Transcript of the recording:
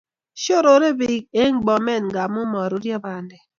shorore pik en Bomet ngamun maruryo bandek